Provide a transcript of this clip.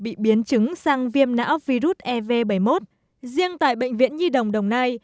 bị biến chứng sang viêm não virus ev bảy mươi một riêng tại bệnh viện nhi đồng đồng nai